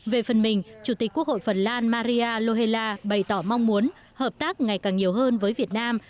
về phần mình chủ tịch quốc hội phần lan maria lohela bày tỏ mong muốn hợp tác ngày càng nhiều hơn với việt nam